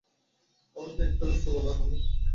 আমাকে একটা রাস্তা বল, ড্যানি।